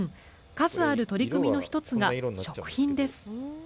数ある取り組みの１つが食品です。